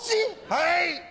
はい。